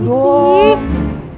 apa lagi sih